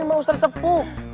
ini mau sercepuk